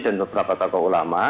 dan beberapa tokoh ulama